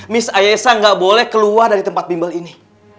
miss ayah elsa nggak boleh keluar dari tempat bimbel ini